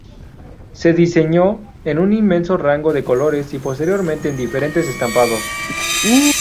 Se diseñó en un inmenso rango de colores y, posteriormente, en diferentes estampados.